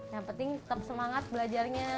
yang penting tetap semangat belajarnya